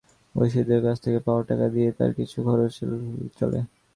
ওই শিশুদের কাছ থেকে পাওয়া টাকা দিয়েই তার কিছু খরচ চলে।